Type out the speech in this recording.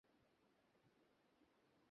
প্রথমে উত্তররাঢ়ী ও দক্ষিণরাঢ়ীতে বিবাহ হোক।